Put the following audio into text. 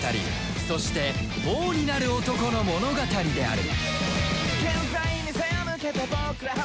そして王になる男の物語である